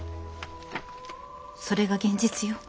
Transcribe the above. それが現実よ。